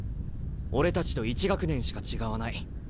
俺たちと１学年しか違わない。